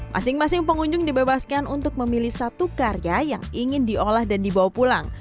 masing masing pengunjung dibebaskan untuk memilih satu karya yang ingin diolah dan dibawa pulang